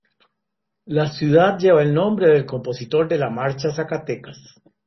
La ciudad lleva el nombre del compositor de la "Marcha Zacatecas".